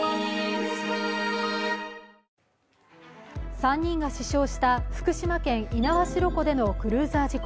３人が死傷した福島県猪苗代湖でのクルーザー事故。